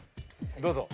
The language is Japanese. どうぞ。